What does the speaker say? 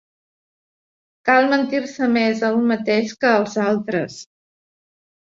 Cal mentir-se més a un mateix que als altres.